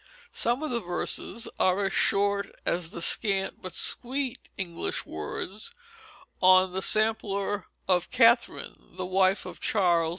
Some of the verses are as short as the scant but sweet English words on the sampler of Katherine, the wife of Charles II.